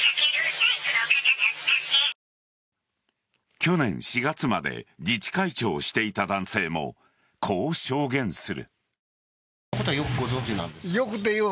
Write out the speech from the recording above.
去年４月まで自治会長をしていた男性もこう証言する。